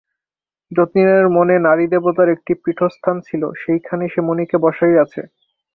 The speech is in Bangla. যতীনের মনে নারীদেবতার একটি পীঠস্থান ছিল, সেইখানে সে মণিকে বসাইয়াছে।